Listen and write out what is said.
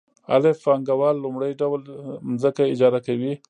الف پانګوال لومړی ډول ځمکه اجاره کوي